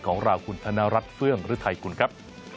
ของราวคุณธนรัฐเฟื้องหรือไทยคุณครับ